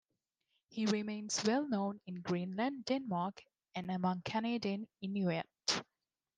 He remains well known in Greenland, Denmark and among Canadian Inuit.